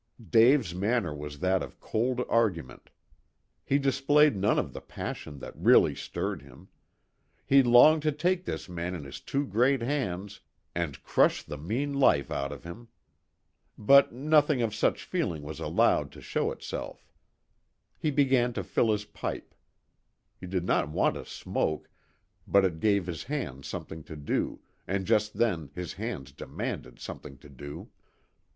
Dave's manner was that of cold argument. He displayed none of the passion that really stirred him. He longed to take this man in his two great hands, and crush the mean life out of him. But nothing of such feeling was allowed to show itself. He began to fill his pipe. He did not want to smoke, but it gave his hands something to do, and just then his hands demanded something to do.